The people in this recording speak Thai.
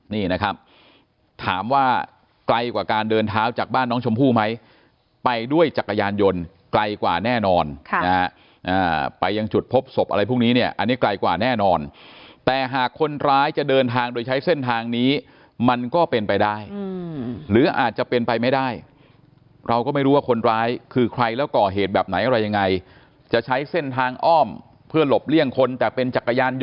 นี่นะครับถามว่าไกลกว่าการเดินเท้าจากบ้านน้องชมพู่ไหมไปด้วยจักรยานยนต์ไกลกว่าแน่นอนนะฮะไปยังจุดพบศพอะไรพวกนี้เนี่ยอันนี้ไกลกว่าแน่นอนแต่หากคนร้ายจะเดินทางโดยใช้เส้นทางนี้มันก็เป็นไปได้หรืออาจจะเป็นไปไม่ได้เราก็ไม่รู้ว่าคนร้ายคือใครแล้วก่อเหตุแบบไหนอะไรยังไงจะใช้เส้นทางอ้อมเพื่อหลบเลี่ยงคนแต่เป็นจักรยานยน